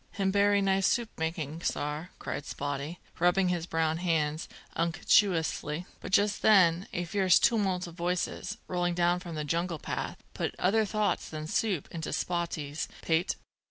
"Him bery nice soup making, sar!" cried Spottie, rubbing his brown hands unctuously. But just then a fierce tumult of voices, rolling down from the jungle path, put other thoughts than soup into Spottie's pate.